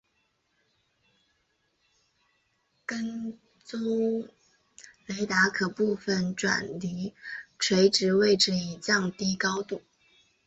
跟踪雷达可部分转离垂直位置以降低高度。